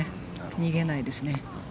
逃げないですね。